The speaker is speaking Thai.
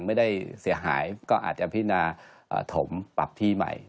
ไม่ได้เสียหายก็อาจจะพินาถมปรับที่ใหม่